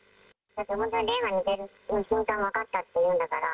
本当に霊が抜ける瞬間が分かったっていうんだから。